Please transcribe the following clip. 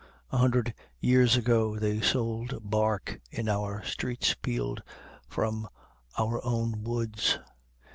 A hundred years ago they sold bark in our streets peeled from our own woods.